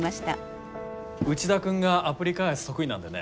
内田君がアプリ開発得意なんでね。